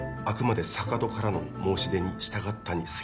「あくまで坂戸からの申し出に従ったに」